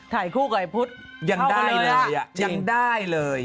แสดงได้เลยยังได้เลย